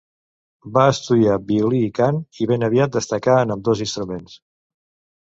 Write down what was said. Va estudiar violí i cant i ben aviat destacà en ambdós instruments.